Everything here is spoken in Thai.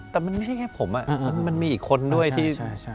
แต่มันไม่ใช่แค่ผมมันมีอีกคนด้วยที่